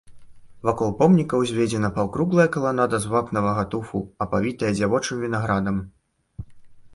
Вакол помніка ўзведзена паўкруглая каланада з вапнавага туфу, апавітая дзявочым вінаградам.